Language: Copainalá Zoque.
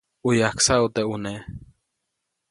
ʼU yajksaʼu teʼ ʼune.